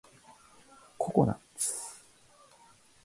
ココナッツ